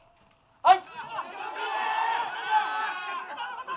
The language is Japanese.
はい。